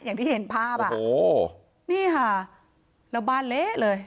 อย่างที่เห็นภาพอ่ะโอ้นี่ค่ะแล้วบ้านเละเลย